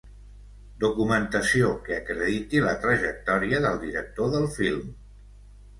Documentació que acrediti la trajectòria del director del film.